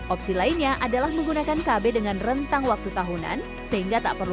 opsi lainnya adalah menggunakan kb dengan rentang waktu tahunan sehingga tak perlu